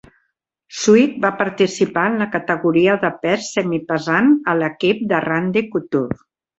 Swick va participar en la categoria de pes semipesant a l'equip de Randy Couture.